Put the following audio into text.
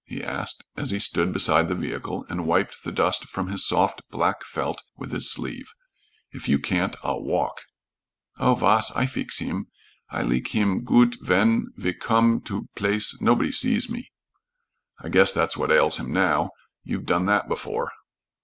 he asked as he stood beside the vehicle and wiped the dust from his soft black felt with his sleeve. "If you can't, I'll walk." "Oh, yas, I feex heem. I leek heem goot ven ve coom to place nobody see me." "I guess that's what ails him now. You've done that before."